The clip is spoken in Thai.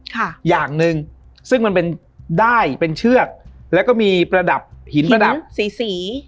ค่ะอย่างหนึ่งซึ่งมันเป็นด้ายเป็นเชือกแล้วก็มีประดับหินประดับสีสี